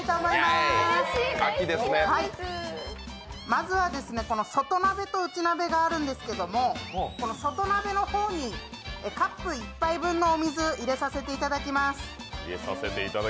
まずは外鍋と内鍋があるんですけど外鍋の方にカップ１杯分のお水入れさせていただきます。